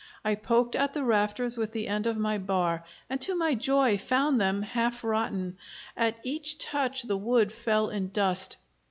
I poked at the rafters with the end of my bar, and to my joy found them half rotten; at each touch the wood fell in dust.